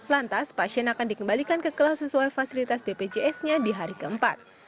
lantas pasien akan dikembalikan ke kelas sesuai fasilitas bpjs nya di hari keempat